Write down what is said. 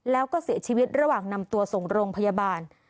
แล้วก็เสียชีวิตระหว่างนำตัวส่งโรงพยาบาล